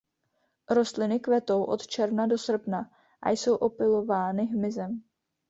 Rostliny kvetou od června do srpna a jsou opylovány hmyzem.